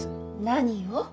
何を？